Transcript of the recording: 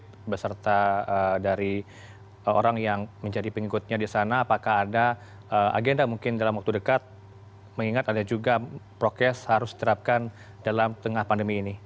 untuk beserta dari orang yang menjadi pengikutnya di sana apakah ada agenda mungkin dalam waktu dekat mengingat ada juga prokes harus diterapkan dalam tengah pandemi ini